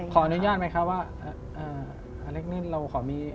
ขออนุญาตไหมคะว่าอเล็กนิดเราขอมี